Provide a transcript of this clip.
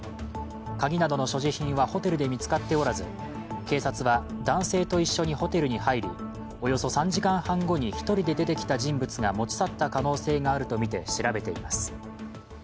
鍵などの所持品はホテルで見つかっておらず警察は、男性と一緒にホテルに入りおよそ３時間半後に１人で出てきた人物が持ち去った可能性があるとみて調べています。